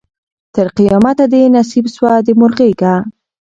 تر قیامته دي نصیب سوه د مور غیږه